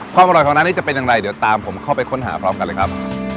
ความอร่อยของร้านนี้จะเป็นอย่างไรเดี๋ยวตามผมเข้าไปค้นหาพร้อมกันเลยครับ